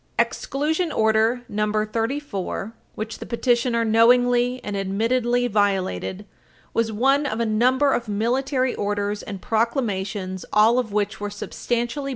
Exclusion Order No. 34, which the petitioner knowingly and admittedly violated, was one of a number of military orders and proclamations, all of which were substantially Page 323 U.